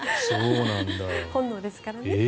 本能ですからね。